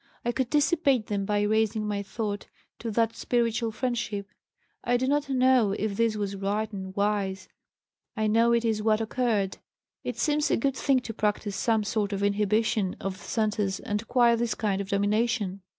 I could dissipate them by raising my thought to that spiritual friendship. I do not know if this was right and wise. I know it is what occurred. It seems a good thing to practise some sort of inhibition of the centers and acquire this kind of domination.